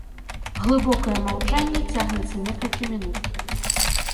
Глыбокае маўчанне цягнецца некалькі мінут.